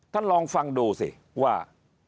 ท่านลองฟังดูสิว่า